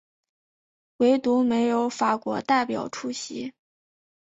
惟独没有法国代表出席。